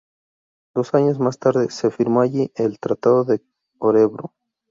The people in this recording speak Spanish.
Dos años más tarde, se firmó allí el Tratado de Örebro.